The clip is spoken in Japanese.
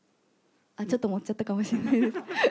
ちょっと盛っちゃったかもしれないです。